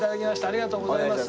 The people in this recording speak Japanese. ありがとうございます。